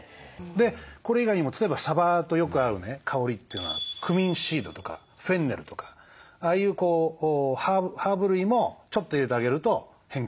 これ以外にも例えばサバとよく合う香りというのはクミンシードとかフェンネルとかああいうハーブ類もちょっと入れてあげると変化がつく。